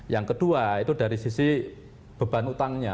yang kedua itu dari sisi beban utangnya